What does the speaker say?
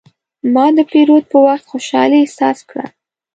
ما د پیرود په وخت خوشحالي احساس کړه.